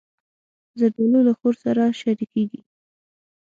زردالو له خور سره شریکېږي.